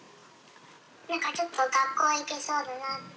なんかちょっと学校行けそうだなって。